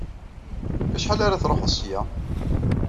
Ɣef acḥal ara truḥeḍ ssya?